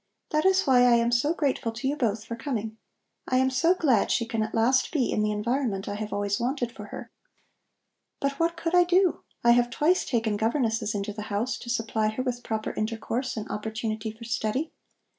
That is why I am so grateful to you both for coming. I am so glad she can at last be in the environment I have always wanted for her. But what could I do? I have twice taken governesses into the house, to supply her with proper intercourse and opportunity for study.